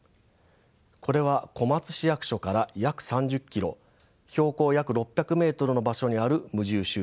これは小松市役所から約３０キロ標高約６００メートルの場所にある無住集落です。